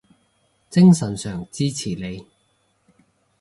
精神上支持你